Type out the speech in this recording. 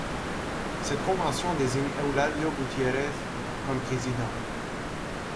Cette convention désigne Eulalio Gutiérrez comme président.